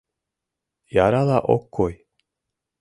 Ярала ок кой.